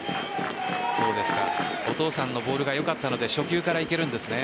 お父さんのボールがよかったので初球からいけるんですね。